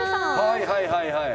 はいはいはいはい！